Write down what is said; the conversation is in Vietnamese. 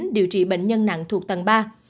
điều trị bệnh nhân nặng thuộc tầng ba